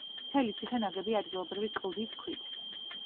მთელი ციხე ნაგებია ადგილობრივი კლდის ქვით.